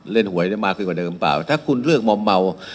เล่นหวยได้มากขึ้นกว่าเดิมหรือเปล่าถ้าคุณเลือกมอมเมา